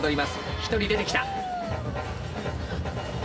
１人出てきた。